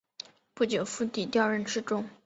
不久傅祗调任侍中。